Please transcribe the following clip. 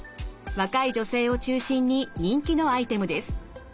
若い女性を中心に人気のアイテムです。